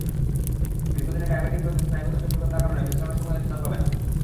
দীর্ঘদিনের ডায়াবেটিক রোগীর স্নায়ুগত জটিলতার কারণে বিশ্রামের সময়ও হৃদ্স্পন্দন কমে না।